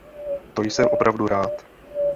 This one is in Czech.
To jsem opravdu rád.